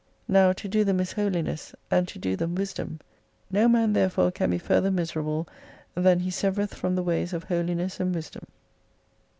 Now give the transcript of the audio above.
Now to do them is holiness and to do them wisdom. No man therefore can be further miserable than he severeth from the ways of holiness and wisdom.